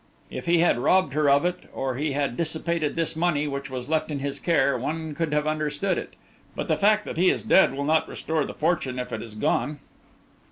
If he had robbed her of it, or he had dissipated this money which was left in his care, one could have understood it, but the fact that he is dead will not restore the fortune if it is gone."